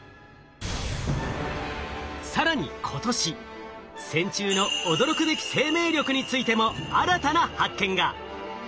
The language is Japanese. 更に今年線虫の驚くべき生命力についても新たな発見が。